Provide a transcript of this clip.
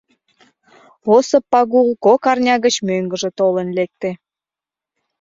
Осып Пагул кок арня гыч мӧҥгыжӧ толын лекте.